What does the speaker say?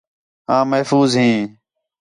آں محفوظ ھیں